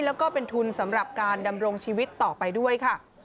แล้วก็เป็นทุนสำหรับการดำรงชีวิตต่อไปด้วยค่ะ